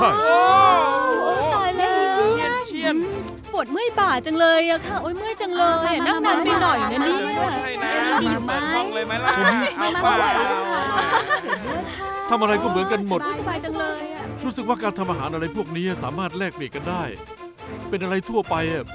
โอ้โฮโอ้โฮตายแล้วโอ้โฮเย้อีเชียนโอ้โฮโอ้โฮโอ้โฮโอ้โฮโอ้โฮโอ้โฮโอ้โฮโอ้โฮโอ้โฮโอ้โฮโอ้โฮโอ้โฮโอ้โฮโอ้โฮโอ้โฮโอ้โฮโอ้โฮโอ้โฮโอ้โฮโอ้โฮโอ้โฮโอ้โฮโอ้โฮโอ้โฮโอ้โฮโอ้โฮ